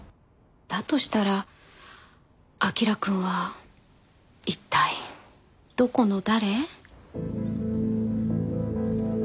だとしたら彬くんは一体どこの誰？